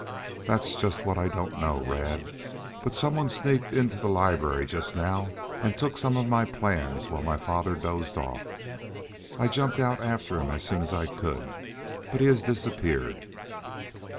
"That's just what I don't know. Rad. But some one sneaked into the library just now and took some of my plans while my father dozed off. I jumped out after him as soon as I could, but he has disappeared."